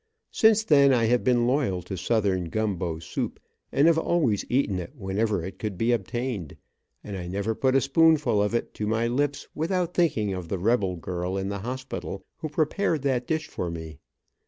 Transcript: Since then I have been loyal to southern gumbo soup, and have always eaten it wherever it could be obtained, and I never put a spoonful of it to my lips without thinking of the rebel girl in the hospital, who prepared that dish for me.